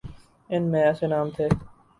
ان میں ایسے نام تھے۔